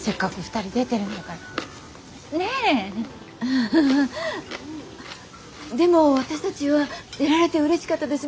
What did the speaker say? あでも私たちは出られてうれしかったです。